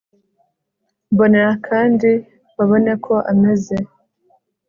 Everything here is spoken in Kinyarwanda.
mbonera kandi babone ko ameza